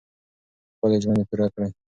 خپلې ژمنې پوره کړئ.